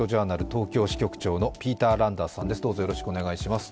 東京支局長のピーター・ランダースさんです。